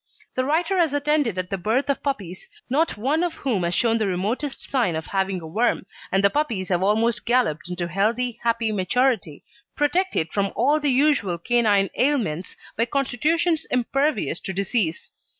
The writer has attended at the birth of puppies, not one of whom has shown the remotest sign of having a worm, and the puppies have almost galloped into healthy, happy maturity, protected from all the usual canine ailments by constitutions impervious to disease.